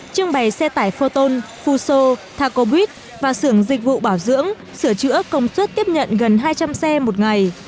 trưng bày xe tải photon fuso thaco buýt và sưởng dịch vụ bảo dưỡng sửa chữa công suất tiếp nhận gần hai trăm linh xe một ngày